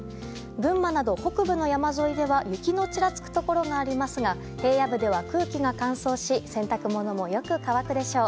群馬など北部の山沿いは雪のちらつくところがありますが平野部では空気が乾燥し洗濯物もよく乾くでしょう。